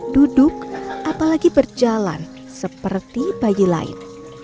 duduk apalagi berjalan seperti bayi lain